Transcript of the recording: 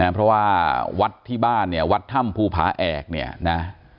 เพราะว่าวัดที่บ้านเนี่ยวัดถ้ำภูผาแอกเนี่ยนะ